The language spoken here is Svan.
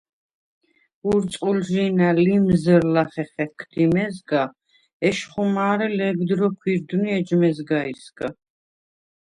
ურწყულჟი̄ნა̈ ლიმზჷრ ლახე ხექდი მეზგა, ეშხუ მა̄რე ლეგდ როქვ ირდვნი ეჯ მეზგაისგა.